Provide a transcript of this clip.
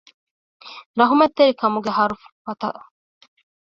ރަޙްމަތްތެރިކަމުގެ ހަރުފަތަށް